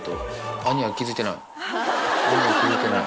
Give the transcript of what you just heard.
アニヤは気付いてない。